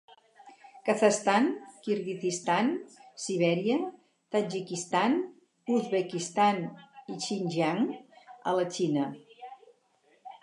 Kazakhstan, Kirguizistan, Sibèria, Tadjikistan, Uzbekistan, i Xinjiang, a la Xina.